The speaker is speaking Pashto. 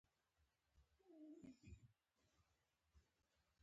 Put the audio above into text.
څراغ د اسمان، مړ پروت دی